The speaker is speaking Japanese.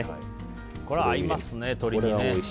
これは合いますね、鶏に。